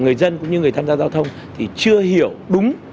người dân cũng như người tham gia giao thông thì chưa hiểu đúng